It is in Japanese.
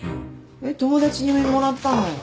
えっ友達にもらったの。